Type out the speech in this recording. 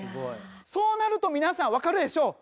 そうなると皆さんわかるでしょう？